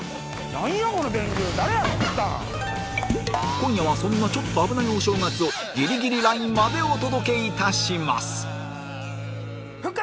今夜はそんなちょっとあぶないお正月をギリギリラインまでお届けいたします復活！